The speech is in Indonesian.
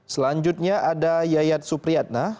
selanjutnya ada yayat supriyatna